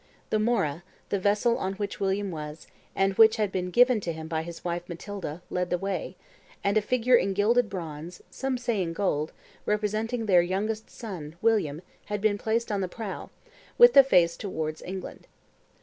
The Mora, the vessel on which William was, and which had been given to him by his wife, Matilda, led the way; and a figure in gilded bronze, some say in gold, representing their youngest son, William, had been placed on the prow, with the face towards England.